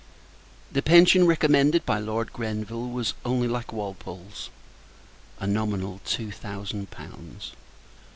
The pension recommended by Lord Grenville was only like Walpole's a nominal two thousand pounds.